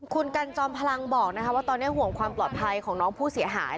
คุณกันจอมพลังบอกว่าตอนนี้ห่วงความปลอดภัยของน้องผู้เสียหาย